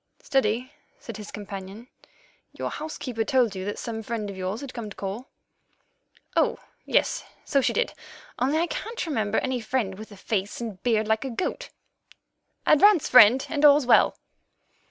"Steady," said his companion; "your housekeeper told you that some friend of yours had come to call." "Oh, yes, so she did, only I can't remember any friend with a face and beard like a goat. Advance, friend, and all's well."